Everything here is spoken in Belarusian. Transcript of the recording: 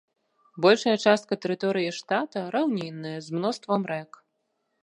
Большая частка тэрыторыі штата раўнінная, з мноствам рэк.